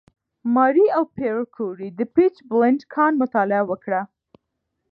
ماري او پېیر کوري د «پیچبلېند» کان مطالعه وکړه.